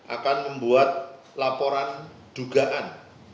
akan membuat laporan dugaan